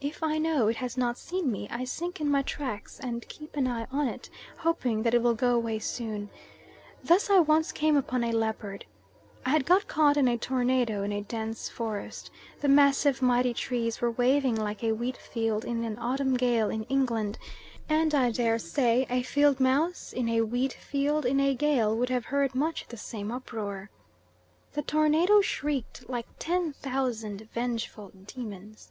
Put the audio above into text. If I know it has not seen me I sink in my tracks and keep an eye on it, hoping that it will go away soon. Thus I once came upon a leopard. I had got caught in a tornado in a dense forest. The massive, mighty trees were waving like a wheat field in an autumn gale in England, and I dare say a field mouse in a wheat field in a gale would have heard much the same uproar. The tornado shrieked like ten thousand vengeful demons.